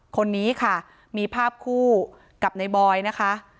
คนนี้ค่ะมีภาพคู่กับในบอยนะคะ